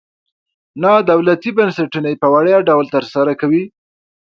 نادولتي بنسټونه یې په وړیا ډول تر سره کوي.